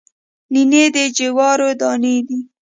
نینې د جوارو دانې دي